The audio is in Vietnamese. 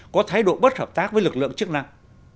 có thái độ bất hợp tác với lực lượng chức năng